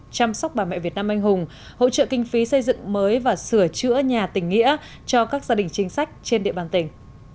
chăm sóc bà mẹ việt nam anh hùng hỗ trợ kinh phí xây dựng mới và sửa chữa nhà tỉnh nghĩa cho các gia đình chính sách trên địa bàn tỉnh